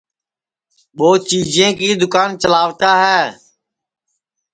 ٻوچیجیں کی دوکان چلاوتا ہے